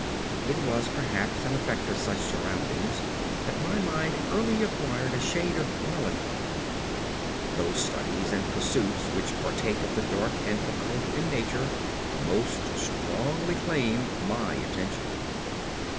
It was perhaps an effect of such surroundings that my mind early acquired a shade of melancholy. Those studies and pursuits which partake of the dark and occult in nature most strongly claimed my attention.